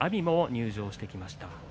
阿炎が入場してきました。